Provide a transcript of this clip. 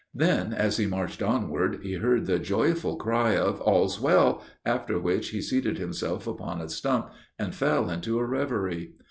Then, as he marched onward, he heard the joyful cry of "all's well," after which he seated himself upon a stump, and fell into a reverie.